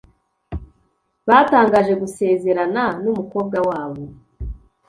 batangaje gusezerana numukobwa wabo.